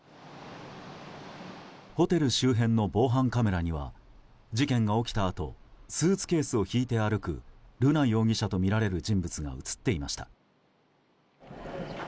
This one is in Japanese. ホテル周辺の防犯カメラには事件が起きたあとスーツケースを引いて歩く瑠奈容疑者とみられる人物が映っていました。